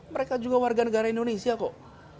mereka juga warga negara indonesia kok